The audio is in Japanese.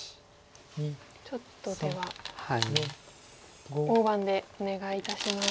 ちょっとでは大盤でお願いいたします。